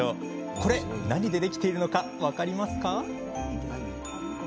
これ、何でできているのか分かりますか？